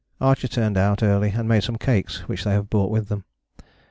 Archer turned out early and made some cakes which they have brought with them.